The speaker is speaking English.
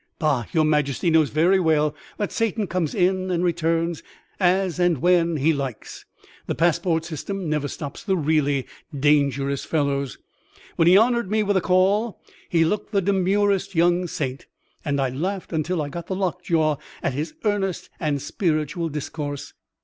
"Bah! your Majesty knows very well that Satan comes in and returns as and when he likes. The passport system never stops the really dangerous fellows. When he honored me with a call he looked the demurest young saint, and I laughed till I got the lockjaw at his earnest and spiritual discourse.